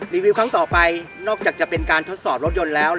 รีวิวครั้งต่อไปนอกจากจะเป็นการทดสอบรถยนต์แล้ว